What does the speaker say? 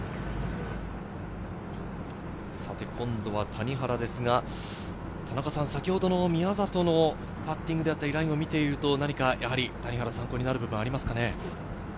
今度は谷原ですが、先ほどの宮里のパッティング、ラインを見ていると、何か参考になる部分ありますか？